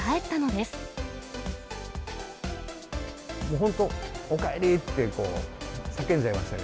本当、おかえりー！って叫んじゃいましたね。